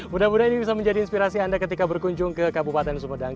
mudah mudahan ini bisa menjadi inspirasi anda ketika berkunjung ke kabupaten sumedang